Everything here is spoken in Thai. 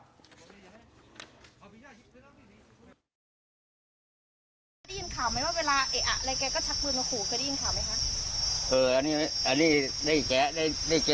เธอได้ยินข่าวมั้ยว่าเวลาไอ้อนไอ้แกก็ชักปืนมาขู